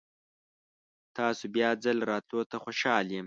تاسو بیا ځل راتلو ته خوشحال یم.